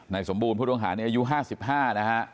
สมบูรณ์ผู้ต้องหานี้อายุ๕๕นะฮะ